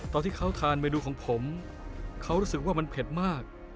ตอนที่เขาทานเมนูของผมเขารู้สึกว่ามันเผ็ดมาก